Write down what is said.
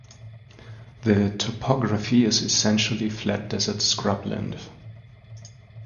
The topography is essentially flat desert scrubland.